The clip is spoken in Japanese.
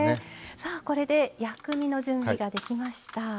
さあこれで薬味の準備ができました。